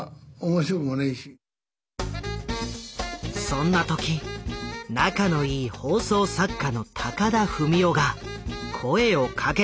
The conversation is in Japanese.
そんな時仲のいい放送作家の高田文夫が声をかけてきた。